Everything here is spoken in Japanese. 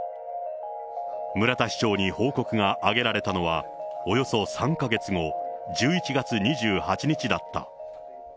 村田市長に報告が上げられたのは、およそ３か月後、１１月２８日だった。